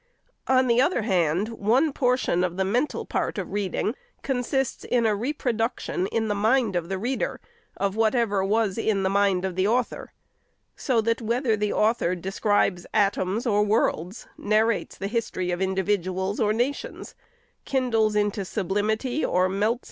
On the other hand, one portion of the mental part of reading consists in a reproduction in the mind of the reader of whatever was in the mind of the author ; so that whether the author describes atoms or worlds, narrates the history of individuals or nations, kindles into sublimity, or melts SECOND ANNUAL REPORT.